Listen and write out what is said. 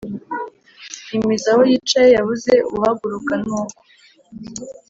imizi aho yicaye, yabuze ubuhaguruka nuko